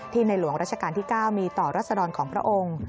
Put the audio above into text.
ในหลวงราชการที่๙มีต่อรัศดรของพระองค์